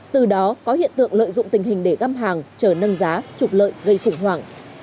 từ đó có hiện tượng lợi dụng tình hình để găm hàng chờ nâng giá trục lợi gây khủng hoảng